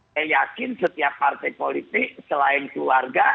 saya yakin setiap partai politik selain keluarga